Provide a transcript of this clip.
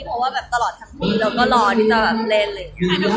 เพราะว่าตลอดทางปีเราก็รอที่จะเล่นเลย